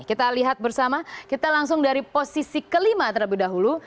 kita lihat bersama kita langsung dari posisi kelima terlebih dahulu